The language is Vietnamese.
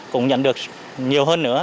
cũng nhận được nhiều hơn nữa